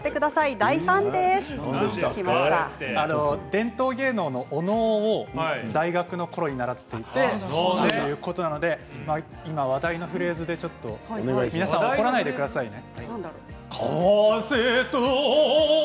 伝統芸能のお能を大学のころ習っていて今、話題のフレーズで皆さん怒らないでくださいね。